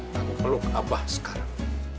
kamu peluk abah sekarang